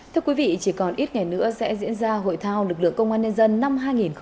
thưa quý vị chỉ còn ít ngày nữa sẽ diễn ra hội thao lực lượng công an nhân dân năm hai nghìn hai mươi